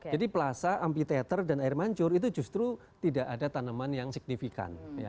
jadi plasa amphitheater dan air mancur itu justru tidak ada tanaman yang signifikan